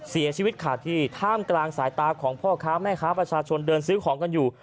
เสียชีวิตขาดที่ท่ามกลางสายตาของพ่อค้าแม่ค้าประชาชนเดินซื้อของกันอยู่